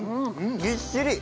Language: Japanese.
ぎっしり！